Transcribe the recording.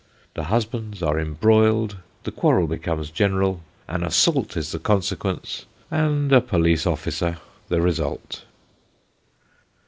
The husbands are embroiled the quarrel becomes general an assault is the consequence, and a police officer the result.